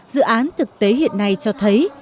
dự án thực tế hiện nay cho thấy